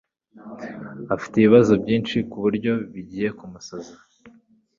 Afite ibibazo byinshi kuburyo bijyiye kumusaza.